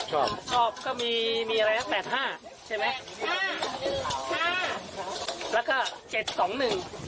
ชอบก็มีอะไรละ๘๕ใช่ไหม